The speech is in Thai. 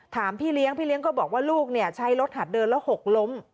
พี่เลี้ยงพี่เลี้ยงก็บอกว่าลูกใช้รถหัดเดินแล้วหกล้ม